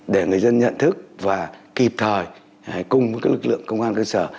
để người dân nhận thức và kịp thời cùng với lực lượng công an cơ sở